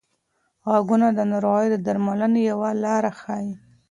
غږونه د ناروغۍ د درملنې یوه لار ښيي.